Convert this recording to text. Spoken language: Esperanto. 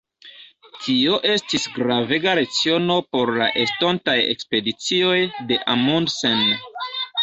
Tio estis gravega leciono por la estontaj ekspedicioj de Amundsen.